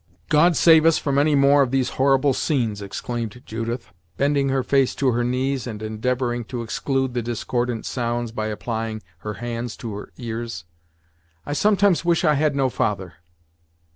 "God save us from any more of these horrible scenes!" exclaimed Judith, bending her face to her knees, and endeavoring to exclude the discordant sounds, by applying her hands to her ears. "I sometimes wish I had no father!"